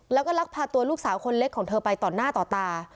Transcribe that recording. แล้วก็ลักพาตัวลูกสาวคนเล็กของเธอไปต่อหน้าต่อตา